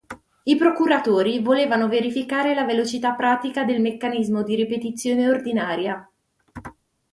I procuratori volevano verificare la velocità pratica del meccanismo di ripetizione ordinaria.